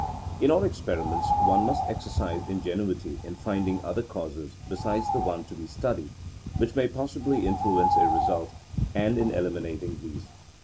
In all experiments one must exercise ingenuity in finding other causes besides the one to be studied which may possibly influence a result, and in eliminating these.